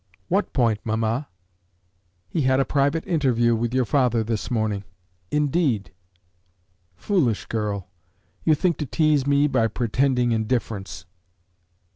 "What point, mamma?" "He had a private interview with your father this morning." "Indeed!" "Foolish girl! you think to tease me by pretending indifference!"